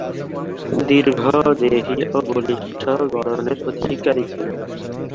দীর্ঘদেহী ও বলিষ্ঠ গড়নের অধিকারী ছিলেন।